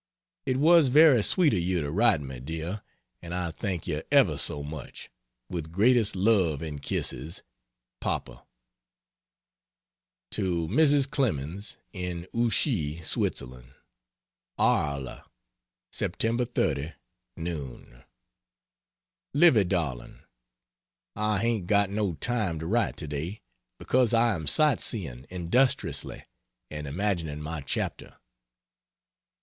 It was very sweet of you to write me, dear, and I thank you ever so much. With greatest love and kisses, PAPA. To Mrs. Clemens, in Ouchy, Switzerland: ARLES, Sept. 30, noon. Livy darling, I hain't got no time to write today, because I am sight seeing industriously and imagining my chapter.